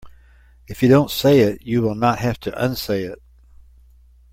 If you don't say it you will not have to unsay it.